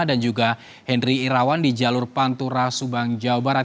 dan juga henry irawan di jalur pantura subang jawa barat